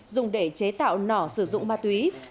dùng để chế tạo nỏ sử dụng ma túy